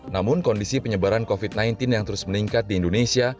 namun kondisi penyebaran covid sembilan belas yang terus meningkat di indonesia